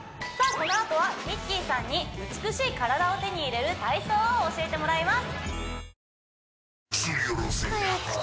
このあとはＲＩＣＫＥＹさんに美しい体を手に入れる体操を教えてもらいます